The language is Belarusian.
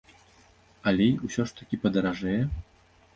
Алей усё ж такі падаражэе?